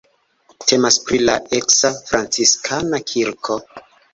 Temas pri la eksa franciskana kirko.